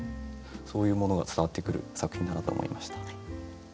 そういうものが伝わってくる作品だなと思いました。